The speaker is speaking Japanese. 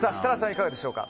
いかがでしょうか。